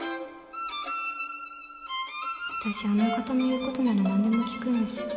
私あの方の言うことなら何でも聞くんです